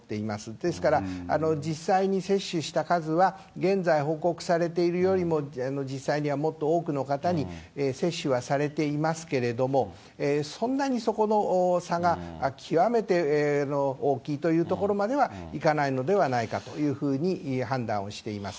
ですから実際に接種した数は、現在、報告されているよりも実際にはもっと多くの方に接種はされていますけれども、そんなにそこの差が極めて大きいというところまでは、いかないのではないかというふうに判断をしています。